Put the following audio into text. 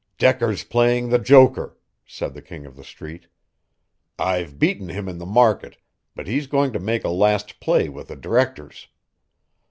"Decker's playing the joker," said the King of the Street. "I've beaten him in the market, but he's going to make a last play with the directors.